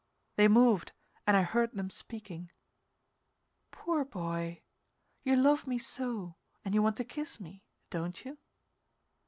They moved, and I heard them speaking: "Poor boy, you love me so, and you want to kiss me don't you?"